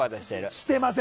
してません。